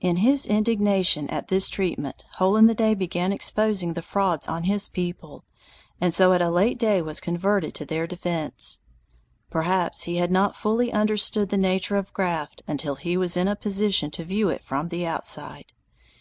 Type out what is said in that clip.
In his indignation at this treatment, Hole in the Day began exposing the frauds on his people, and so at a late day was converted to their defense. Perhaps he had not fully understood the nature of graft until he was in a position to view it from the outside.